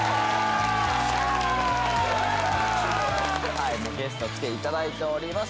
はいもうゲスト来ていただいております